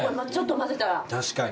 ちょっと混ぜたら。